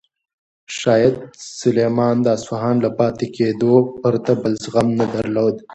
شاه سلیمان د اصفهان له پاتې کېدو پرته بل غم نه درلود.